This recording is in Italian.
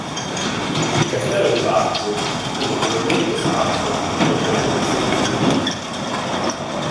Il castello di Wartburg fu notevolmente espanso sotto la direzione di Ludovico.